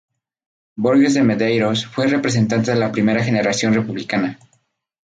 Borges de Medeiros fue representante de la primera generación republicana.